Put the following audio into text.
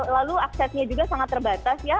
lalu aksesnya juga sangat terbatas ya